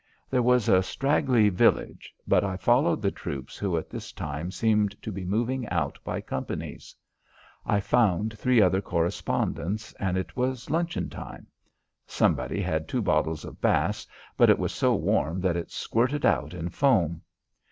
There was a straggly village, but I followed the troops who at this time seemed to be moving out by companies. I found three other correspondents and it was luncheon time. Somebody had two bottles of Bass, but it was so warm that it squirted out in foam.